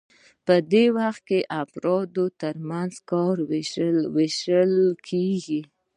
په دې کې د افرادو ترمنځ کار ویشل کیږي.